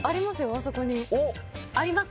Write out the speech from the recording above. あそこにおっあります？